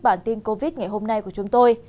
bản tin covid ngày hôm nay của chúng tôi